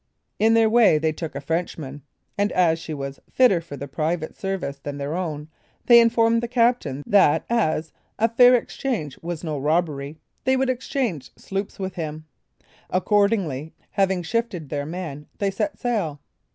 In their way they took a Frenchman, and as she was fitter for the pirate service than their own, they informed the captain, that, as "a fair exchange was no robbery," they would exchange sloops with him; accordingly, having shifted their men, they set sail.